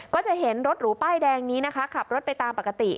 ก็จะเห็นรถหรูป้ายแดงนี้นะคะขับรถไปตามปกติ